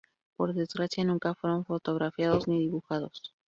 Por desgracia, nunca fueron fotografiados ni dibujados.